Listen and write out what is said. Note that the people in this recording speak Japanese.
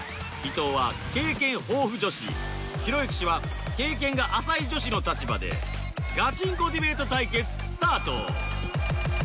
伊藤は経験豊富女子ひろゆき氏は経験が浅い女子の立場でガチンコディベート対決スタート！